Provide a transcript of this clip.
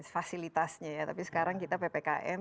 fasilitasnya ya tapi sekarang kita ppkm